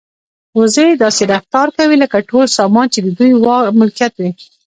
وزې داسې رفتار کوي لکه ټول سامان چې د دوی ملکیت وي.